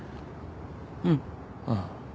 うん。ああ。